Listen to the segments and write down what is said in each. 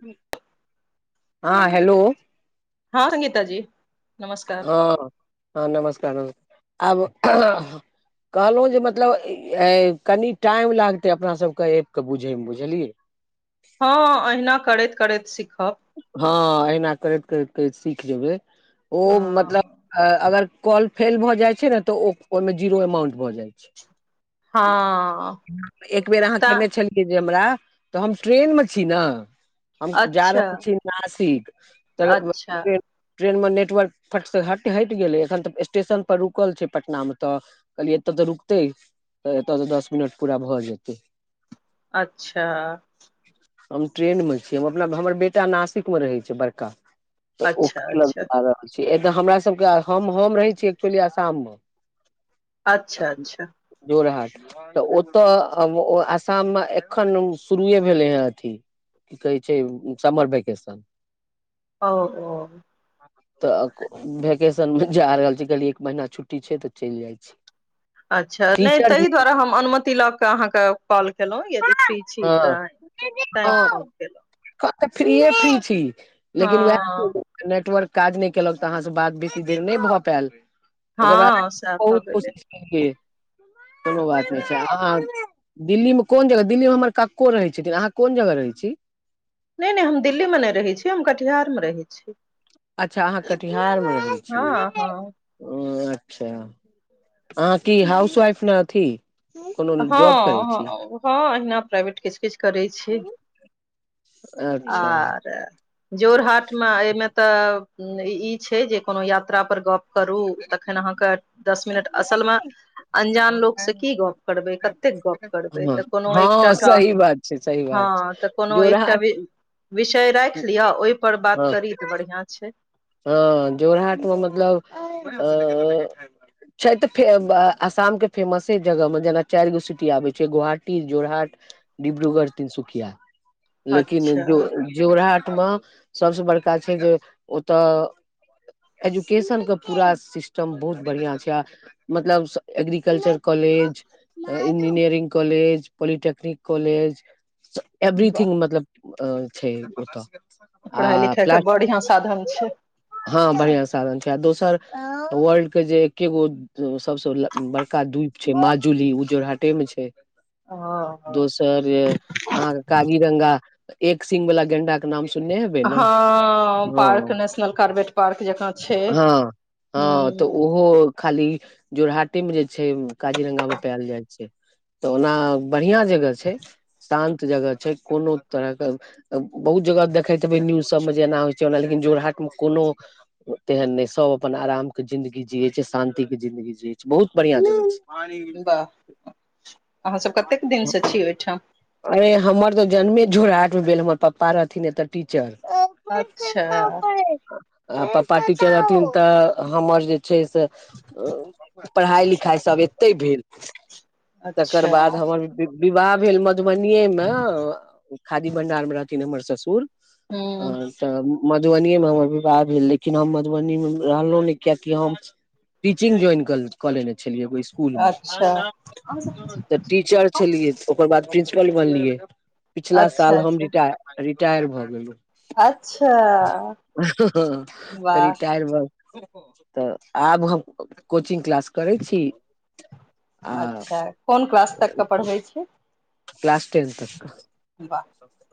[unintelligible] हँ-हेलो हँ संगीता जी नमस्कार हँ हँ नमस्कार नमस्कार आब [unintelligible] कहलौं जे मतलब इ अय कनी टाइम लागते अपना सबके ऐप कऽ बुझैय मऽ बुझलियै हँ अहिना करैत करैत सीखब हँ, अहिना करैत करैत करैत सीख जेबैय ओ मतलब हँ अ अगर कॉल फेल भऽ जाइ छैय नऽ तऽ ओ ओय में जीरो एमाउंट भऽ जाइ छैय हँ एक बेर अहाँ तऽ केने छलियै जे हमरा तऽ हम ट्रेन मऽ छी नऽ हम जा अच्छा रहल छी नासिक तऽ म् अच्छा ट्रेन ट्रेन मऽ नेटवर्क फट सऽ हट हयट गेलै, एखन तऽ स्टेशन पर रुकल छै पटना मऽ तऽ कहलियै एतअ तऽ रुकतैय, तऽ एतअ सऽ दस मिनट पुरा भऽ जेतैय अच्छा हम ट्रेन मऽ छी, हम अपना हमर बेटा नासिक मऽ रहैय छैय बड़का तऽ ओक अच्छा किलल अच्छा आ रहल छी - एकदम हमरा सबके आ हम हम रहैय छी एक्चुली आसाम मऽ अच्छा अच्छा जोर हाथ तऽ ओतय हम व आसाममे एखन शुरुये भेलै यऽ अथी कि कहैय छैय समर भैकेेसन औ ओ तऽ भैकेसन मे जा रहल छी, कहलियै एक महिना छुट्टी छैय तऽ चइल जाय छी अच्छा, नय टीचर जी तहि दुआरे हम अनुमति लऽ कऽ अहाँके कॉल केलौं यदि फ्री छी तंहि, तंय फोन केलौं कह तऽ फ्रीये फ्री छी, लेकिन उहे हँ - नेटवर्क काज नय कैलक तऽ अहाँ सऽ बात बेसी देर नैय भऽ पायल ओकर बाद हँ सएह भऽ बहुत गेलै कोशिश केलियै, कोनो बात अच्छा नैय छैय अहॉं दिल्ली मे कोन जगह, दिल्लीमे हमर काक्को रहै छथिन, अहाँ कोन जगह रहै छी नैय नैय हम दिल्ली में नैय रहै छी, हम कटिहार मऽ रहै छी अच्छा अहाँ कटिहार मऽ रहै हँ छी हँ ओ अच्छा, अहाँ की हाउस वाइफ नऽ अथी कोनो हँ जॉब करै हँ छी ओ हॅं अहिना प्राइवेट किछ किछ करै छी अच्छा जोर हाथ मऽ अय में तऽ इ छैय जे कोनो यात्रा पर गप करु तखन अहाँके दस मिनट असल मऽ अंजान लोक सऽ की गप करबै कतेक गप करबै हँ तऽ कोनो हँ एकटाक, सही बात छै सही हँ बात छै तऽ कोनो एकटा जोरहाट वि विषय राखि लिअ ओहिप बात करी तऽ बढ़िआँ छै हऽ जोर हटमे मतलब अ छै तऽ फे आसामके फेमसे जगहमे जेना चारि गो सिटी आबै छै गोहाटी जोरहाट डब्रुगढ़ तिनसुकिया लेकिन अच्छा जो जोरहाटमे सबसँ बड़का छै जे तऽ एजुकेशनके पूरा सिस्टम बहुत बढ़िआँ छै आ मतलब agriculture college engineering college polytechnic college वाह एवरीथिंग मतलब छै ओतऽ पढ़ाई आ लिखाई कऽ प्लास बढ़िआं साधन छै हँ बढ़ििया साधन छै आ दोसर वर्ल्ड के जे एकेगो सबसँ बड़का द्वीप छै माजूली उऽ जोरहाटे मे छै हँ हँ दोसर अहाँके काजीरंगा एक सिंग वालला गेंडा नाम सुनने हेबै नऽ हँ पार्क नेशनल कारबेट पार्क जकाँ छै हू ओ खाली जोरहाटे मे जे छै काजीरंगा मे पायल जाइ छै तऽ ओना बढ़िया जगह छै शान्त जगह छै कोनो तरह के बहुत जगह देखैतबे न्यूज सब मे जेना हो लेकिन जोरहाट मे कोनो तेहन नहि सभ अपन आराम के जिन्दगी जियै छै शानंि के जिंन्दगी जियै छै बहुत बढ़िआं जगह छै वाह अहाँ सब कतेक दिन सऽ छी ओहिठाम अरे हमर तऽ जन्मे झोराट मे भेल हमर पप्पा रहथिन एतऽ टीचर अच्छा आ पापा टीचर रहथिन तऽ हमर जे छै से पढ़ाई लिखाइ सब एते भेल तकर अच्छा बाद हमर विवाह भेल मधुबनीए मे खादी भं्डार मे रहथिन हमर ससुर आ हूँ तऽ मधुबनिएमे हमर विवाह भेल लेकिन हम मधुबनीमे रहलहुँ नहि कियकि हम टचिंग जॉइन कल ेने छल स्कुल अच्छा अच्छा मऽ टीचर छलिय ओकर बाद प्र प्रिंस्पल बनलियै पिछला साल हम अच्छा रिटायर भए गेले अच्छा [unintelligible] वाह रिटायर भऽ तऽ आब हम कोचिंग क्लास करै छी आ अच्छा कोन क्लास तकके पढ़बै छिये क्लास टेंथ तक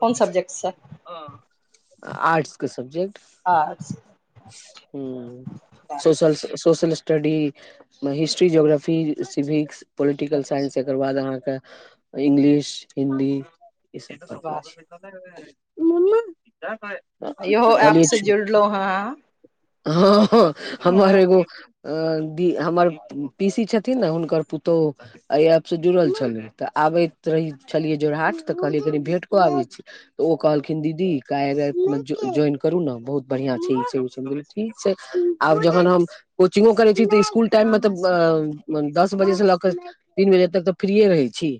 कोन सब्जेक्ट से आर्ट्स कऽ सब्जेक्ट आर्ट्स हू वाह सोल social study history geography civics political अच्छा, साइंस एकर बाद अहाँके इंगलिश हिन्दी ईसभ वाह [unintelligible] इहो ऐप से जुड़लहु हँ हँ हँ हमार अहाँ एगो अ दी हमर पीसी छथिन नऽ हुनकर पुतोह एहि ऐप से जुड़ल छलै तऽ आबैत रही छलियै जोरहाट तऽ कहलियै कनी भेंट को आबे छी तऽ ओ कहलखिन दीदी कार एप मऽ ज्वइन करू ने बहुत बढ़िया छै ई छै उ छै हम ठीक ठीक छै आब जहन हम कोचिंगो करै छी तऽ इसकुल टाइममे तऽ दस बजेसँ लऽ कऽ तीन बजे तक तऽ फ्रीये रहै छी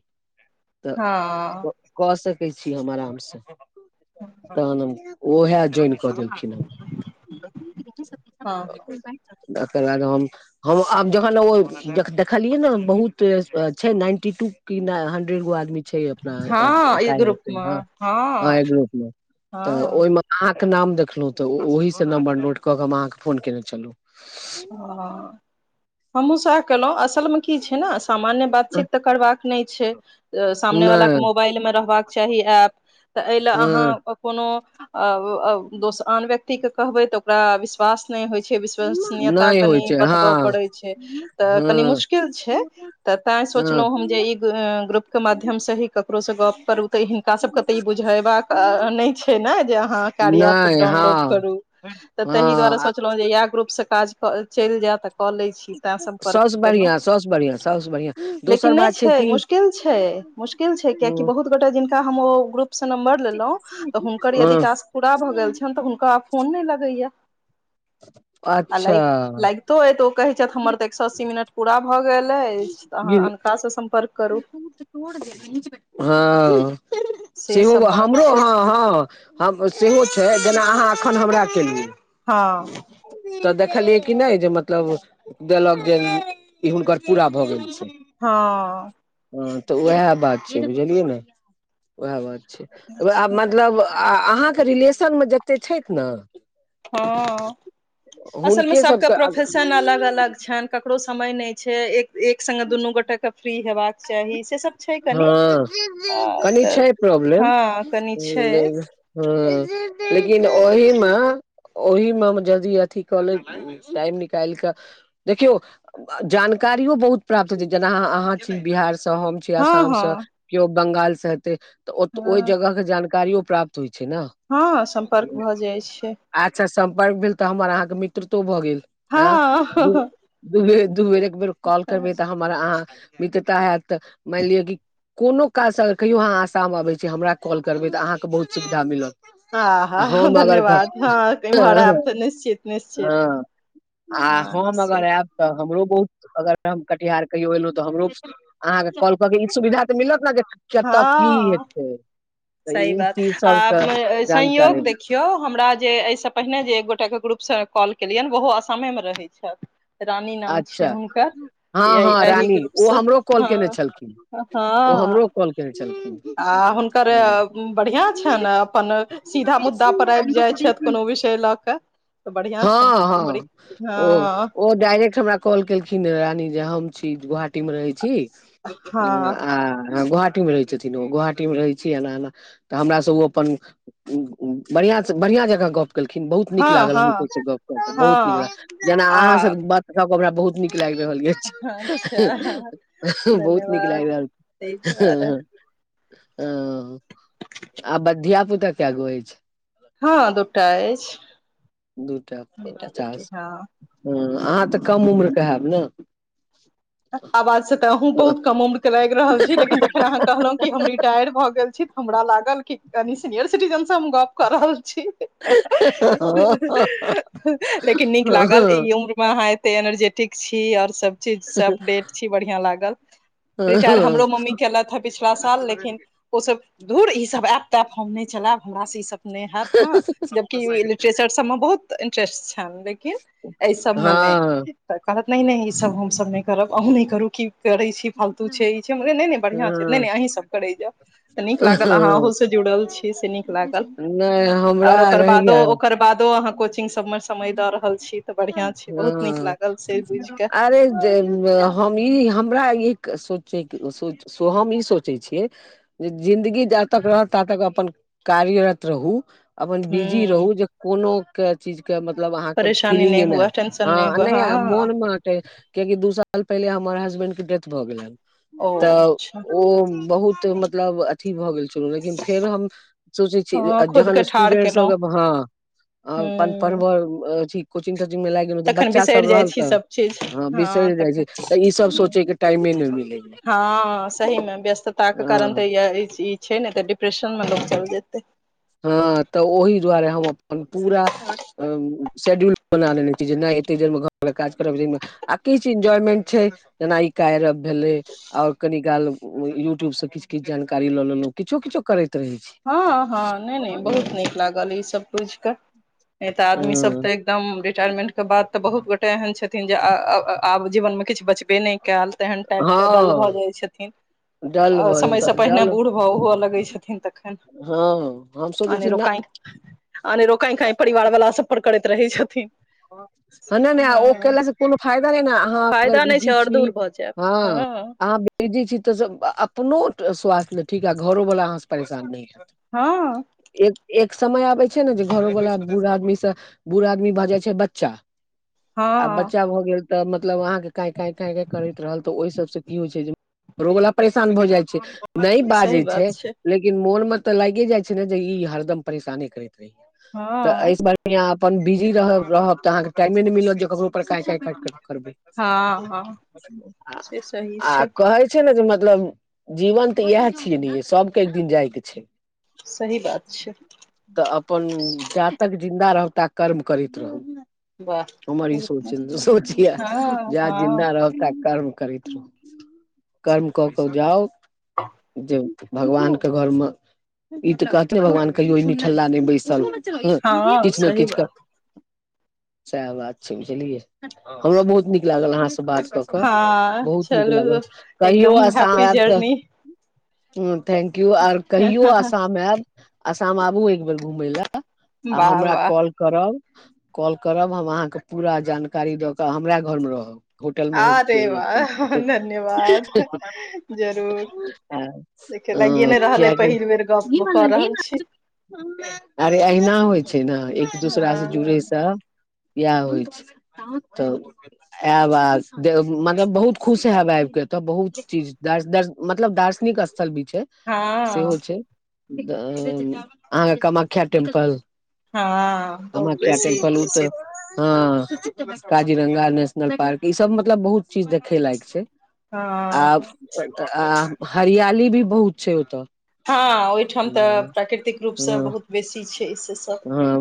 हँ तऽ कऽ सकै छी हम आराम सँ तहन हम ओ है जइन कऽ देलखिन हँ हँ अकर बाद हम हम आब जहन ओ देखलियै नऽ बहुत छै नाइन्टी टू कि ना हंड्रेड गो आदमी छै अपना हँ एप हँ ई ग्रुप कार्य मे हँ हँ एय ग्रुप मऽ तऽ हँ ओहि मऽ अहाँ कऽ नाम देखलहुँ तऽ ओहि सँ नम्बर नोट कऽ कऽ हम अहाँकेँ फोन केने छलहुँ हँ हमहुँ सैह केलहुँ असलमे की छै नऽ सामान्य बातचीत तऽ करबाक नइ छै सामने बाला केँ नहि मोबाइल मे रहबाक चाही एप तऽ एहि लऽ हँ अहाँ कोनो अ - अ दोस आन व्यक्ति कऽ कहबै तऽ ओकरा विश्वास नइ होइ छै विश्वास नियता नहि होइ कनि छै हँ बतबऽ परै छै तऽ कनी हँ मुशकिल छै तैँ हँ सोचलहुँ हम जे ई ग्रुप केँ माध्यम से ही ककरो सँ गप करू तऽ हिनका सबके तऽ ई बुझेबाक नय छै नऽ जे अहाँ कार्या एप नहि डाउनलोड हँ करु तऽ ताहि दुआरे हँ सोच कहलियै इहै ग्रुप सँ काज चैल जैय तऽ कऽ लै छी छी तैय सम्पर्क सभसँ केलहुँ बढ़िआँ सभसँ बढ़िआँ सभसँ बढ़िआँ लेकिन दोसर नय बात छै कि मुश्किल छै मुश्किल छै कियाकि ह बहुत गोटा जिनका हम ओ ग्रुपसँ नम्बर लेलहुँ तऽ हुनकर यदि हँ टास्क पूरा भऽ गेल छैन तऽ हुनका आब फोन नय लगै य अच्छऽ [unintelligible] अतो ओ कहै छैथ हमर तऽ एक सौ अस्सी मिनट पूरा भऽ गेल अछि तऽ अहाँ गिर अनकासँ सम्पर्क करू हँ से सेहो सब बात हमरो छै हँ हँ हम सेहो छै जेना अहाँ अखन हमरा केलिये हँ तऽ देखलियै कि नय जे मतलब देलक जे ई इ हुनकर पूरा भऽ गेल छै हँ हँ तऽ ओहै बात छै बुझलियै नऽ ओहै बात छै वे आब मतलब आ अहाँकेँ रिलेशन मे जतेक छैथ नऽ हँ असलमे सबके प्रोफेशन अलग अलग छैन ककरो समय नय छै एक एक संगे दुनू गोटे केँ फ्री हेबाक चाही से सब छै कनि हँ कनि तऽ छै प्रॉब्लम हँ कनि छै [unintelligible] हँ लेकिन ताहि ओहि दुआरे मऽ ओहि मऽ हम जदी अथी कऽ लेब टाइम निकाइल कऽ देखियौ जानकारीओ बहुत प्राप्त हेतै जेना आ - अहाँ छी बिहारसँ हम छी हँ आसामसँ हँ किओ बंगालसँ हेतै तऽ ओत ओहि हँ जगह केँ जानकारियो प्राप्त होइ छै नऽ हँ सम्पर्क भऽ जाइ छै अच्छा सम्पर्क भेल तऽ हमर अहाँ कऽ मित्रतो भऽ गेल हँ ऑ दू दू बेर - दू बेर एक बेर कॉल अच्छा [unintelligible] करबै हमर अहाँ मित्रता हेयत तऽ मान लिअ कि कोनो काजसँ अगर कहियो आहाॅं आ साम मे अबै छी हमरा कॉल करबै तऽ अहाँके बहुत सुविधा मिलत ह आ हा हम अगर धन्यवाद हँ इमहर आबत निश्चित निश्चित हँ आ हँ हम अगर निश्चित आयब तऽ हमरो बहुत अगर हम कटिहार कहियो एलहुं तऽ हमरो अहाँके कॉल क देब के ई सुविधा तऽ मिलत ने जे जेतऽ की हँ हेतै तऽ सही ई बात चीज आ सबके पऽ जानकारी संयोग देख यौ हमरा जे एहिसँ पहिने जे एक गोटाके ग्रुपसँ कॉल केलियनि ओहो आसामेमे रहैत छथि रानी नाम छियनि अच्छा हुनकर हँ यै हँ एहि रानी ओ ग्रुपसँ हमरो कॉल केने हँ छलखिन ओ हँ हमरो कॉल केने आ छलखिन हुनका अरे आ बढ़िया छैन अपन सीधा मुद्दा पर आबि जाइत छथि कोनो विषय लऽ केऽ हँ हँ ओ हँ ओ डाायरेक्ट हमरा कॉल केलखिन रेहे रानी जे हम छी गोहाटी मे रहै छी हँ आ गुहाटीमे रहइ छी छथिन ओ गोवहाटी मे रहै छी एना एना तऽ हमरासे ओ अपन बढ़ियासे बढ़िया जेका गप केलखिन बहुत नीक हँ लागल हँ हुनको से गप को के बहुत नीक हँ लागल जेना अहाँ से आ बात आब हमरा बहुत नीक लागि रहल ये अच्छा बहुत नीक धन्यवाद लागि ताहि दुआरे रहल हं आब धीयापुता कै गो अइछ हँ दूटा अछि दू टा बेटा पचास बेटी हँ ह अहाँ तऽ कम उम्रके हब ने आवाज से तऽ अहूँ हँ बहुत कम उम्र के लागि रहल छी लेकिन जखन अहाँ कहलहुं कि हम रि टायर भए गेल छी त हमरा लागल कि कनि सीनियर सिटीजन से हम गप कऽ रहल छी [unintelligible] लेकिन निक लागल हँ इ उम्र मे आहाँ एते एनर्जेटिक छी आओर सभ चीज सभ अपडेट छी बढ़िया लागल रिटायर हमरो मम्मी केलथि हें पिछला साल लेकिन ओसभ धूर ई सभ ऐप तेप हम नय चलेऽब हमरा से ईसभ नय हेऽत हँ जबकि लिटरेचर सभ मे बहुत इंट्रेस्ट छनि लेकिन एहि सबमे हँ नहि तऽ कहत नहि नहि ईसभ हमसभ नय करब अहूँ नय करू कि करै छी फालतू छै ई छै नय नय बढ़ियां छै हँ नय अहीं सभ करेय जाउ तऽ नीक लागल अहाँ ओहु से जुड़ल छी से निक लागल नहि हमरा आर ओकर बादो रहैया ओकर बादो अहाँ कोचिंग सभ मे हँ नीक लागल से बुझि कऽ अरे जे हम ई हमरा ईक सोचै के सोच हम ई सोचै छियै जे जिंन्दगी जातक रहत तातक अपन कार्यरत रहू अपन बिजी हूँ रहू जे कोनो के चीज के मतलब अहाँके परेशानी फीलिंग नहि नय हुए टेंशन नहि हं हुए नय हँ मोन मे कियाकि दू साल पहिले हमर हसबैंड के डेथ भऽ गेलनि ओ तऽ अच्छा ओ बहुत मतलब अथी भऽ गेल छलउ लेकिन फेर हम सोचै छी हँ खुद जखन के ठाढ़ स्टूडेंट सभ केलहुँ के हँ आ अपन पढ़ब हूँ कोचिंग तोचिंग मे लाइग तखन बच्चा सभ बिसरि जाइ रहल छी तै सभ चीज हं हँ बिसरि जाइ तखन छै तऽ ई सभ हूँ सोचे के टाइमे ने मिले यऽ हँ सही मे व्यस्तताके कारण तऽ यऽ छै ने तऽ डिप्रेशन मे लोग चल जेतै हँ तऽ ओहि दुआरे हम अपन पूरा शेड्यूल बना लेने छी जे नहि एते देर मे घरके काज करब आ किछु एन्जॉयमेंट छै जेना इ कार्या एप भेलै आओर कनि काल यूट्यूब से किछु किछु जानकारी लऽ लेलहुँ किछु किछु करैत रहै छी हँ हँ नहि नहि बहुत नीक लागल ई सभ पुइझ कऽ नहि तऽ आदमी सभ हँ तऽ एकदम रिटायरमेन्टके बाद तऽ बहुत गोटे एहन छथिन जे आब जीवनमे किछु बचबे नहि कायल तेहन टाइप के डल भऽ हँ जाइ छथिन डल भर समय से पहिने डल बूढ़ हुअ लगै छथिन आ हँ हम सोचै छी अनेरो न काइ अनेरो काइकाइ परिवार सभ पर करैत रहै छथिन ह नहि ओ हँ केलासँ कोनो फायदा नहि ने अहाँ अगर फायदा नहि छै बिजी आओर छी दूर भऽ हँ बिजी छी तऽ अपनो स्वास्थ्य सभ लऽ ठीक आ घरोवला अहाँसँ परेशान नहि हैत हँ एक एक समय आबे छै नऽ जे घरो वालला बुढ़ आदमी से बूढ़ आदमी भऽ जाय छै बच्चा आ हँ बच्चा भऽ गेल तऽ मतलब अहाँके काइकाइ काइकाइ करैत रहल तऽ ओहि सबसँ की होइ छै जे घरोवला परेशान भऽ जाइ छै नहि बाजे सही बात छै लेकिन मोन में तऽ लागे जाय छै ने जे ई हरदम परेशाने करैत रहिय तऽ हँ एहिस बहरियाँ अपन बिजी रहब रहब तऽ अहाँके टाइमे नहि मिलत ककरो पर काटाट कऽ करबै हँ हँ से सही आ छै कहै छै ने जे मतलब जीवन तऽ इएह छियै नऽ सबके एक दिन जाय के छै सही बात छै तऽ अपन जा तक जिन्दा रहब ता कर्म करैत रहू वाह हमर ई सोच तऽ सोचि हँ जे हँ जिन्दा रहब कर्म करेत रहू कर्म कऽ क जाउ भगवानके घरमे ई तऽ कहते भगवान कहियो ई निठालला नहि बैसल हऽ हँ किछु ने सही किछु बात सएह बात छै बुझलियै हमरा छै बहुत नीक लागल अहाँसँ बात कऽ क हँ बहुत नीक चलू लागल एकदम कहियौ असम हैप्पी ऐब तऽ जर्नी ह थेंक यू आर कहियो आसाम आयब आसाम आबु एक बेर घुमे लऽ आ वाह हमरा वाह कॉल करब कॉल करब हम अहाँके पूरा जानकारी दऽ कऽ हमरा घरमे रहब होटल मे आ रहैके जरूरत नहि रेवााह छै। धन्यवाद जरूर देख लागए नहि रहल अइ कियाकि पहिल बेर गप कऽ रहल छी अरे अहिना होइ छै ने एक दूसरा से हँ जुड़ेसँ इएह होइ छै तऽ आयब आ दे मतलब बहुत खुश हब आब के तऽ बहुत चीज मतलब दार्शनिक स्थल भी छै हँ सेहो छै अहाँके कामाख्या टेम्पल हँ बहुत कमाख्या बेसी टेम्पल उ तऽ प्रसिद्ध हँ काजीरंगा नेशनल पार्क ई सब मतलब बहुत चीज देखे लायक छै आब हँ आ हरियाली भी बहुत छै ओतऽ हँ ओहिठाम तऽ प्राकृतिक रूपसँ ह बहुत बेसी छै से सब हँ